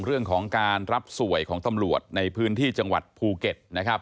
เรื่องของการรับสวยของตำรวจในพื้นที่จังหวัดภูเก็ตนะครับ